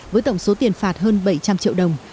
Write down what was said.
với tổng số tiền phạt hơn bảy trăm linh triệu đồng